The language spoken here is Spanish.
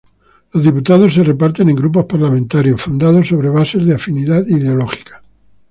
Los diputados se reparten en grupos parlamentarios fundados sobre bases de afinidad ideológica.